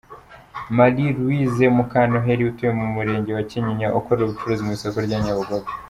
Marie Luwize Mukanoheri, utuye mu Murenge wa Kinyinya ukorera ubucuruzi mu isoko rya Nyabugogo.